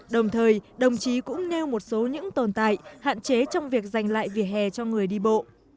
đồng thời đồng chí cũng nêu một số những tồn tại hạn chế trong việc dành lại vỉa hè cho người đi bộ